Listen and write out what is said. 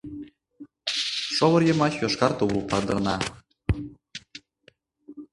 Шовыр йымач йошкар тувыр палдырна.